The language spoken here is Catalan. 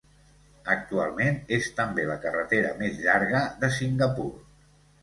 Actualment és també la carretera més llarga de Singapur.